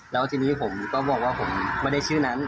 แล้วทีนี้ผมก็บอกว่าผมไม่ได้ชื่อนั้น